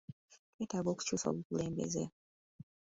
Twetaaga okukyusa obukulembeze.